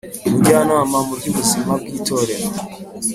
Umujyanama mu by ubuzima bw Itorero